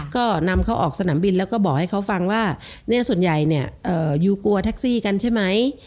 ก็นำเขาออกสนามบินแล้วก็บอกให้เขาฟังว่าส่วนใหญ่เนี่ยยูกลัวแท็กซี่กันใช่ไหม